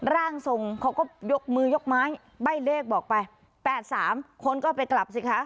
ร่างทรงเขาก็ยกมือยกไม้ใบ้เลขบอกไป๘๓คนก็ไปกลับสิคะ